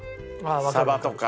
サバとか。